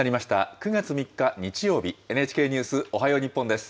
９月３日日曜日、ＮＨＫニュースおはよう日本です。